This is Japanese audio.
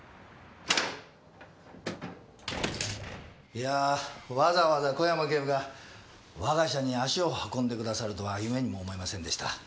いやぁわざわざ小山警部が我が社に足を運んでくださるとは夢にも思いませんでした。